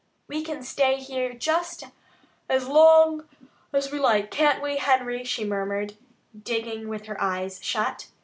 "We can stay here just as long as we like, can't we, Henry?" she murmured, digging with her eyes shut.